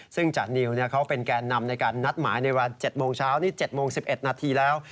ซึ่งจานิวเขาเป็นแกนนำในการนัดหมายในวัน๗โมงเช้านี้๗โมง๑๑นาทีแล้ว